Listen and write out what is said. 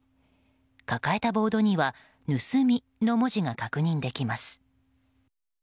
抱えたボードには「盗み」の文字が確認できます。